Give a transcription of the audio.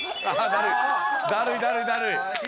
だるいだるいだるい！